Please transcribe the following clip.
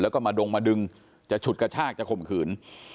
แล้วก็มาดงมาดึงจะฉุดกระชากจะข่มขืน